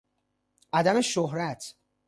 عدم شهرت